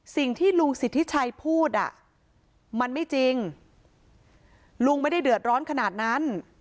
สิ่งที่ลุงสิทธิชัยพูดอ่ะมันไม่จริงลุงไม่ได้เดือดร้อนขนาดนั้น